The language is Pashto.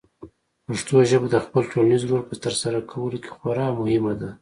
پښتو ژبه د خپل ټولنیز رول په ترسره کولو کې خورا مهمه ده.